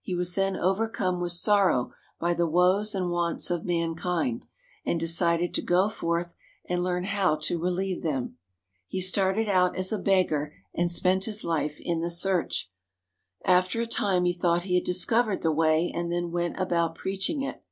He was then overcome with sorrow by the woes and wants of mankind, and decided to go forth and learn how to relieve them. He started out as a beggar and spent his life in the search. After a time he thought he had discovered the way, and then went about preaching it.